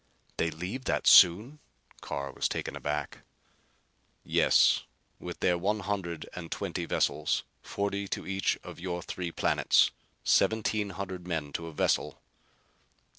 "They leave that soon?" Carr was taken aback. "Yes, with their one hundred and twenty vessels; forty to each of your three planets; seventeen hundred men to a vessel."